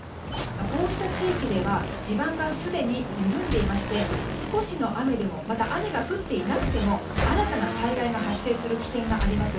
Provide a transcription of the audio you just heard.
こうした地域では地盤がすでに緩んでいまして少しの雨でもまた雨が降っていなくても新たな災害が発生する危険があります。